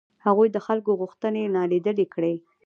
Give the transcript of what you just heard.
هغوی د خلکو غوښتنې نالیدلې کړې.